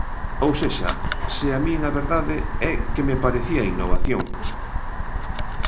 Ou sexa, se a min a verdade é que me parecía innovación.